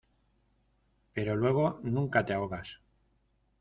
pero luego nunca te ahogas.